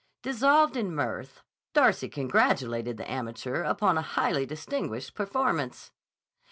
Dissolved in mirth, Darcy congratulated the amateur upon a highly distinguished performance.